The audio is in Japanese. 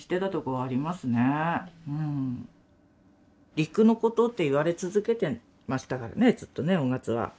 陸の孤島って言われ続けてましたからねずっとね雄勝は。